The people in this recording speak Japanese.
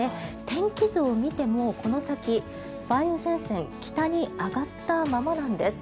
天気図を見てもこの先、梅雨前線が北に上がったままなんです。